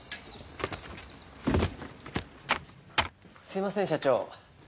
すいません社長。